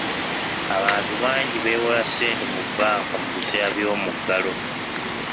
Abantu bangi bewola ssente mu bbanka mu biseera by'omuggalo.